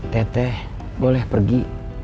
teteh boleh pergi